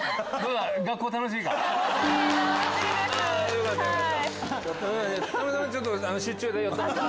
よかったよかった。